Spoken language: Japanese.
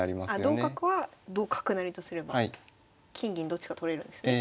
同角は同角成とすれば金銀どっちか取れるんですね。